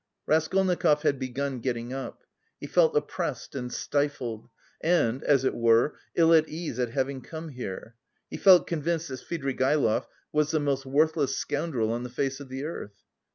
Raskolnikov had begun getting up. He felt oppressed and stifled and, as it were, ill at ease at having come here. He felt convinced that Svidrigaïlov was the most worthless scoundrel on the face of the earth.